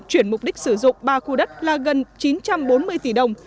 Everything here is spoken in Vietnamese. chuyển mục đích sử dụng ba khu đất là gần chín trăm bốn mươi tỷ đồng